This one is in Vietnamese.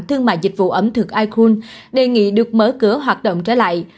thương mại dịch vụ ẩm thực icon đề nghị được mở cửa hoạt động trở lại